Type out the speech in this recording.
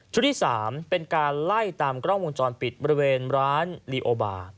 ที่๓เป็นการไล่ตามกล้องวงจรปิดบริเวณร้านลีโอบาร์